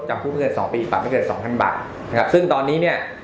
จำคุกไม่เกินสองปีปรับไม่เกินสองพันบาทนะครับซึ่งตอนนี้เนี่ย